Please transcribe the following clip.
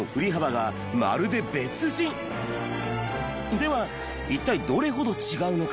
では一体どれほど違うのか？